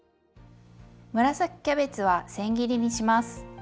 紫キャベツはせん切りにします。